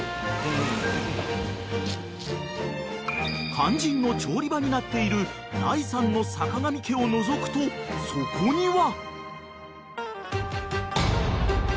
［肝心の調理場になっている第３の坂上家をのぞくとそこには］